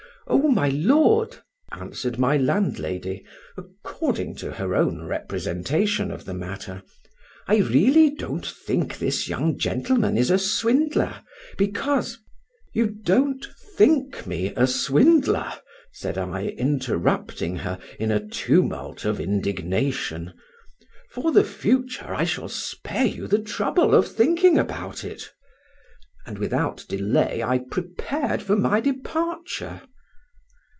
"Oh, my lord," answered my landlady (according to her own representation of the matter), "I really don't think this young gentleman is a swindler, because ——" "You don't think me a swindler?" said I, interrupting her, in a tumult of indignation: "for the future I shall spare you the trouble of thinking about it." And without delay I prepared for my departure.